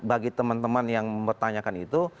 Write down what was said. bagi teman teman yang mempertanyakan itu